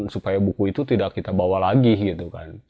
supaya buku itu tidak kita bawa lagi gitu kan